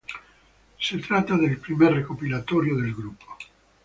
Se trata del primer recopilatorio del grupo.